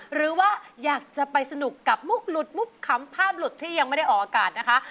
หรือว่าอยากจะไปสนุกกับมุกหลุดมุกขำภาพหลุดที่ยังไม่ได้ออกอากาศนะคะ